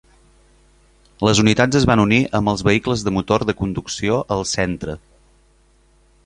Les unitats es van unir amb els vehicles de motor de conducció al centre.